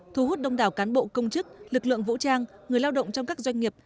thu hút đông đảo cán bộ công chức lực lượng vũ trang người lao động trong các doanh nghiệp